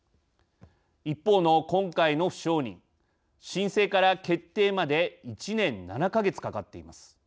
一方の今回の不承認申請から決定まで１年７か月かかっています。